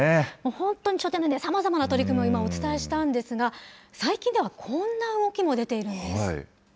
本当に書店のさまざまな取り組みを今お伝えしたんですが、最近ではこんな動きも出ているんです。